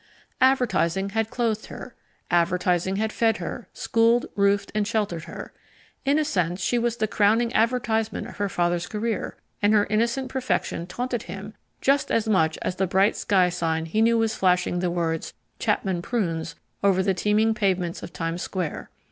Advertising had clothed her, Advertising had fed her, schooled, roofed, and sheltered her. In a sense she was the crowning advertisement of her father's career, and her innocent perfection taunted him just as much as the bright sky sign he knew was flashing the words CHAPMAN PRUNES above the teeming pavements of Times Square.